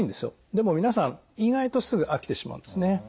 でも皆さん意外とすぐ飽きてしまうんですね。